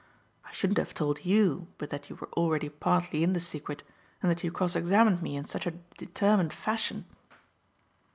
I shouldn't have told you but that you were already partly in the secret and that you cross examined me in such a determined fashion."